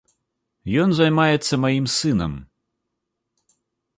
Ён займаецца маім сынам.